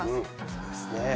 そうですね。